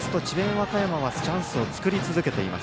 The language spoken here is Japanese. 和歌山はチャンスを作り続けています。